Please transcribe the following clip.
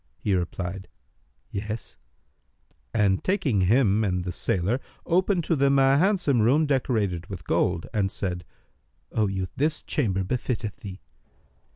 He replied, 'Yes," and taking him and the sailor, opened to them a handsome room decorated with gold, and said, "O youth, this chamber befitteth thee."